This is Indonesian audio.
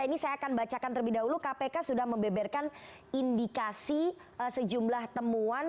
ini saya akan bacakan terlebih dahulu kpk sudah membeberkan indikasi sejumlah temuan